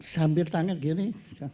sambil tanya begini